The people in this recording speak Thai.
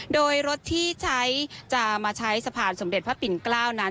โดยรถที่ใช้จะมาใช้สะพานสมเด็จพระปิ่นเกล้านั้น